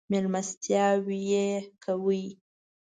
مېلمستیاوې یې کوي.